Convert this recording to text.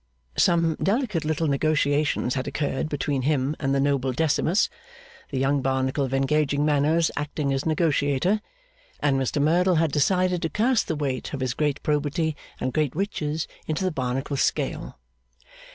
Some delicate little negotiations had occurred between him and the noble Decimus the young Barnacle of engaging manners acting as negotiator and Mr Merdle had decided to cast the weight of his great probity and great riches into the Barnacle scale.